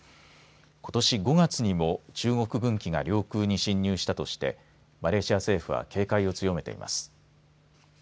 ことし５月にも中国軍機が領空に侵入したとしてマレーシア政府は警戒を強めています。